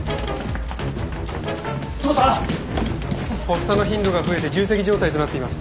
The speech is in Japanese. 発作の頻度が増えて重積状態となっています。